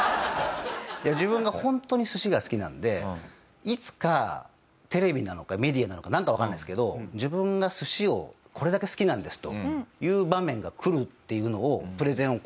自分がホントに寿司が好きなんでいつかテレビなのかメディアなのかなんかわかんないですけど自分が寿司をこれだけ好きなんですと言う場面が来るっていうのを。